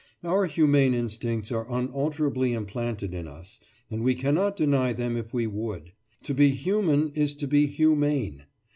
Our humane instincts are unalterably implanted in us, and we cannot deny them if we would; to be human is to be humane.